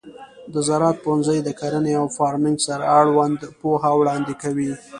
د زراعت پوهنځی د کرنې او فارمینګ سره اړوند پوهه وړاندې کوي.